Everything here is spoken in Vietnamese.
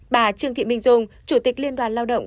bà trương thị minh dung chủ tịch liên đoàn lao động